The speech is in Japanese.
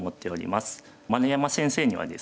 丸山先生にはですね